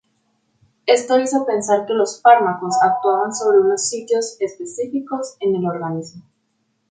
Esto hizo pensar que los fármacos actuaban sobre unos "sitios" específicos en el organismo.